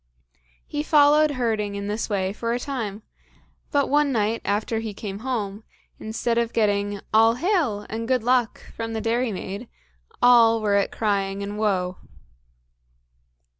He followed herding in this way for a time; but one night after he came home, instead of getting "All hail" and "good luck" from the dairymaid, all were at crying and woe.